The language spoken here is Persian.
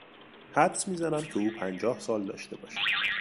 حدس میزنم که او پنجاه سال داشته باشد.